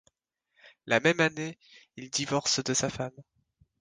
La même année, il divorce de sa femme.